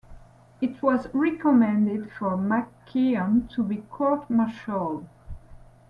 It was recommended for McKeon to be court-martialled.